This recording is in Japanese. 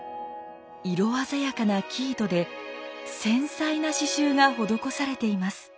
色鮮やかな生糸で繊細な刺繍が施されています。